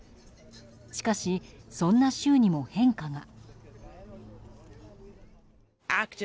しかし、そんな州にも変化が。